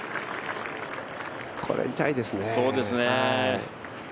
これ、痛いですね。